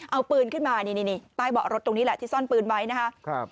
เอาปืนขึ้นมานี่ใต้เบาะรถตรงนี้แหละที่ซ่อนปืนไว้นะครับ